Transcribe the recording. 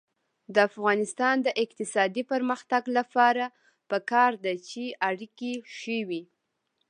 د افغانستان د اقتصادي پرمختګ لپاره پکار ده چې اړیکې ښې وي.